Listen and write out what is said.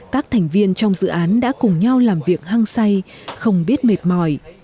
các thành viên trong dự án đã cùng nhau làm việc hăng say không biết mệt mỏi